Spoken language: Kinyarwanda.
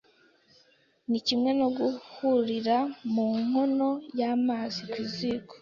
ni kimwe no guhurira mu nkono y'amazi ku ziko